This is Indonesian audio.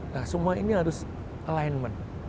nah semua ini harus alignment